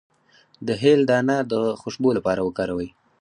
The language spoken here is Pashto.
د هل دانه د خوشبو لپاره وکاروئ